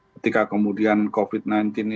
ketika kemudian covid sembilan belas ini sudah berakhir